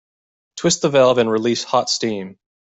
Twist the valve and release hot steam.